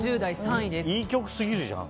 いい曲すぎるじゃん。